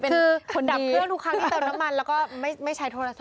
คือดับเครื่องทุกครั้งที่เติมน้ำมันแล้วก็ไม่ใช้โทรศัพ